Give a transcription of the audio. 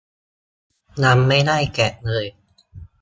ยังไม่ได้แกะเลย